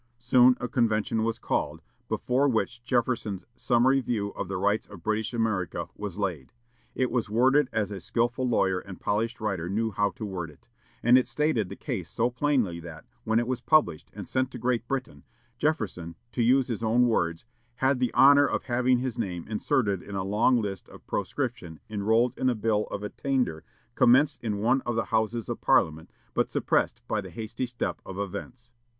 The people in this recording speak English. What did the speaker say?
Soon a convention was called, before which Jefferson's "Summary View of the Rights of British America" was laid. It was worded as a skilful lawyer and polished writer knew how to word it; and it stated the case so plainly that, when it was published, and sent to Great Britain, Jefferson, to use his own words, "had the honor of having his name inserted in a long list of proscriptions enrolled in a bill of attainder commenced in one of the Houses of Parliament, but suppressed by the hasty step of events."